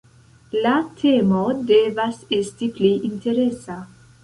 La temo devas esti pli interesa.